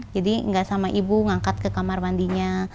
jadi gak sama ibu ngangkat ke kamar mandinya